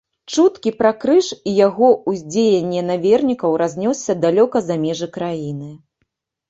Чуткі пра крыж і яго ўздзеянне на вернікаў разнёсся далёка за межы краіны.